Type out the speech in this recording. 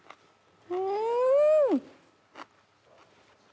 うん！